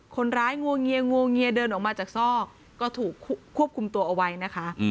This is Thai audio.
งงวงเงียงวงเงียเดินออกมาจากซอกก็ถูกควบคุมตัวเอาไว้นะคะ